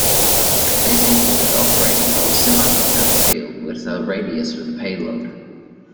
This included operating from a semi-prepared field with a radius with a payload.